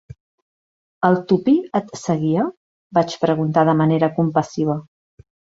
"El Tuppy et seguia?", vaig preguntar de manera compassiva.